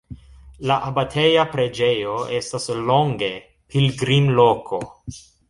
La abateja preĝejo estas longe pilgrimloko.